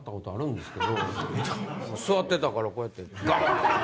座ってたからこうやってガン！